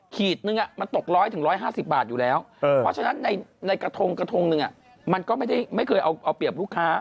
ขีดนึงมันตก๑๐๐๑๕๐บาทอยู่แล้วเพราะฉะนั้นในกระทงกระทงหนึ่งมันก็ไม่เคยเอาเปรียบลูกค้า